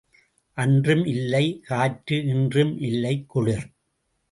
அன்றும் இல்லை காற்று இன்றும் இல்லை குளிர்.